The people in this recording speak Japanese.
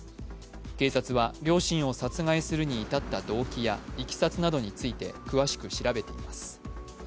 警察は両親を殺害するに至った動機やいきさつなどについて詳しく調べています。